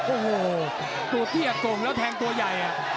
โอ้โหตัวเตี้ยโก่งแล้วแทงตัวใหญ่